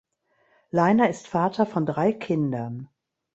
Leiner ist Vater von drei Kindern.